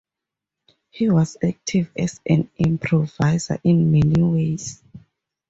He was active as an improvisor in many ways.